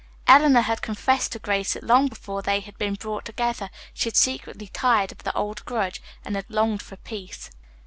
Eleanor had confessed to Grace that long before they had been brought together she had secretly tired of the old grudge and had longed for peace.